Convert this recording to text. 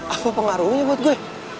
apa pengaruhnya buat gue